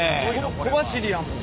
小走りやもん。